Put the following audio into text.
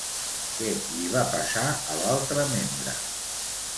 Què li va passar a l'altre membre?